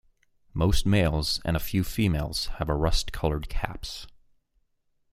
Most males and a few females have a rust-colored caps.